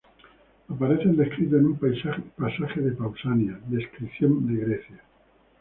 Aparecen descritos en un pasaje de Pausanias' "Descripción de Grecia".